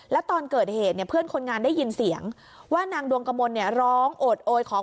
แล้วตอนเกิดเหตุเนี่ยเพื่อนคนงานได้ยินเสียงว่านางดวงกระมนเนี่ยร้องโอดโอยขอ